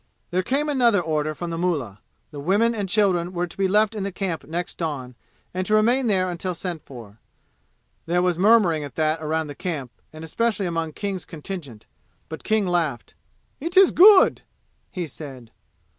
There came another order from the mullah. The women and children were to be left in camp next dawn, and to remain there until sent for. There was murmuring at that around the camp, and especially among King's contingent. But King laughed. "It is good!" he said.